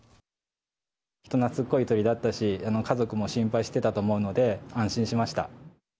人なつっこい鳥だったし、家族も心配してたと思うので、安心しました。